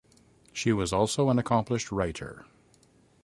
She was also an accomplished writer.